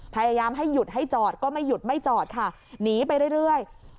พยายามให้หยุดให้จอดก็ไม่หยุดไม่จอดค่ะหนีไปเรื่อย